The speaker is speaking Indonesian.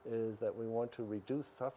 adalah kita ingin mengurangkan kesalahan